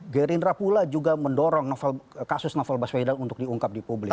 gerindra pula juga mendorong kasus novel baswedan untuk diungkap di publik